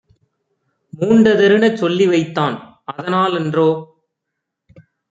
மூண்டதெருனச் சொல்லிவைத்தான்! அதனா லன்றோ